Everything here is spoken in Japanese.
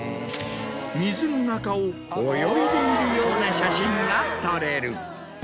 水の中を泳いでいるような写真が撮れる。